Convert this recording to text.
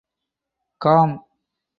Com.